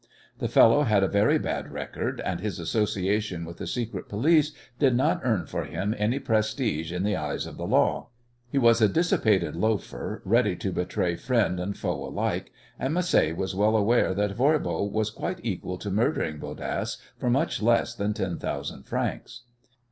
The fellow had a very bad record, and his association with the secret police did not earn for him any prestige in the eyes of the law. He was a dissipated loafer, ready to betray friend and foe alike, and Macé was well aware that Voirbo was quite equal to murdering Bodasse for much less than ten thousand francs.